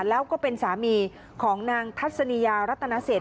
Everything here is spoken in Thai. แล้วก็เป็นสามีของนางทัศนียารัตนาเศษ